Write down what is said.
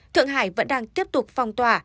thượng hải vẫn đang tiếp tục phong tỏa